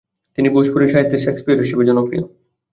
তিনি ভোজপুরি সাহিত্যের শেক্সপিয়ার হিসেবে জনপ্রিয়।